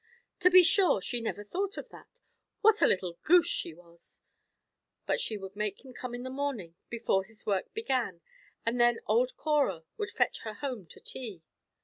To be sure! She never thought of that. What a little goose she was! But she would make him come in the morning, before his work began; and then old Cora would fetch her home to tea.